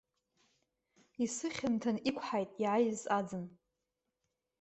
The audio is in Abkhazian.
Исыхьанҭан иқәҳаит иааиз аӡын.